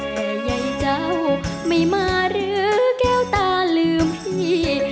แต่ใยเจ้าไม่มาหรือแก้วตาลืมพี่